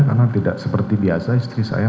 karena tidak seperti biasa istri saya